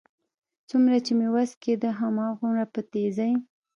څومره چې مې وس کېده، هغومره په تېزۍ.